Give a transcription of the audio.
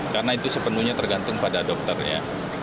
karena itu sepenuhnya tergantung pada dokternya